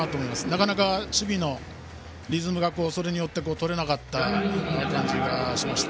なかなか守備のリズムがそれによって取れなかった感じです。